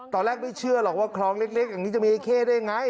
ตอนแรกไม่เชื่อหรอกว่าคลองเล็กอย่างนี้จะมีไอ้เข้ได้ไง